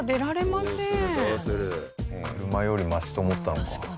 車よりマシと思ったのか。